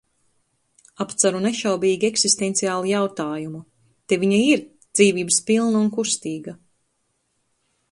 Apceru nešaubīgi eksistenciālu jautājumu – te viņa ir, dzīvības pilna un kustīga.